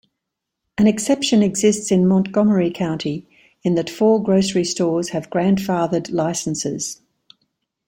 An exception exists in Montgomery County, in that four grocery stores have grandfathered licenses.